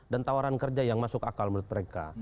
dan tawaran kerja yang masuk akal menurut mereka